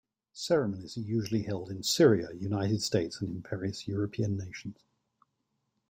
Ceremonies are usually held in Syria, United States, and in various European nations.